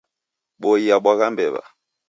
Boi yabwagha mbew'a.